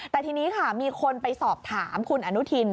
แต่ทีนี้ค่ะมีคนไปสอบถามคุณอนุทิน